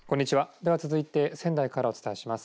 では続いて仙台からお伝えします。